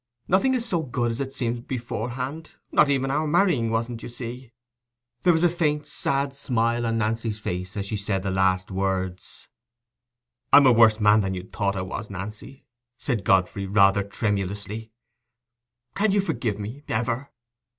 Nothing is so good as it seems beforehand—not even our marrying wasn't, you see." There was a faint sad smile on Nancy's face as she said the last words. "I'm a worse man than you thought I was, Nancy," said Godfrey, rather tremulously. "Can you forgive me ever?"